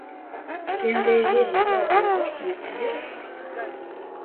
Што ён дае вельмі добрыя кошты на свае рэсурсы.